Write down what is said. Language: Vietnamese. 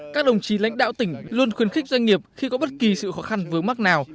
các đồng chí lãnh đạo tỉnh luôn khuyến khích doanh nghiệp khi có bất kỳ sự khó khăn vướng mắc nào